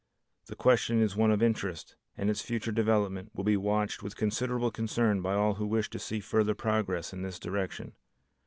The question is one of interest and its future development will be watched with considerable concern by all who wish to see further progress in this direction.